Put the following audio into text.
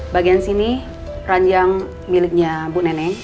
bagian sini ranjang miliknya bu neneng